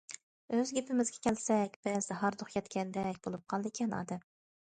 ئۆز گېپىمىزگە كەلسەك، بەزىدە ھاردۇق يەتكەندەك بولۇپ قالىدىكەن ئادەم.